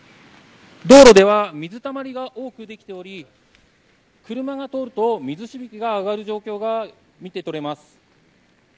道路では水たまりが多くできており車が通ると水しぶきが上がる状況が見てとれます。